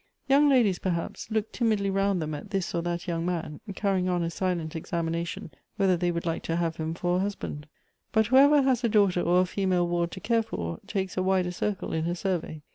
Young ladies, perhaps, look timidly round them at this or that young man, carrying on a silent examination, whether they would like to have him for a husband ; but whoever has a daughter or a female ward to care for, takes a wider circle in her survey.